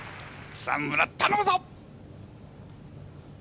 草村頼むぞっ！